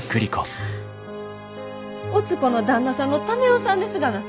乙子の旦那さんの為雄さんですがな。